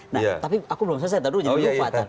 nah tapi aku belum selesai tadi dulu jadi lupa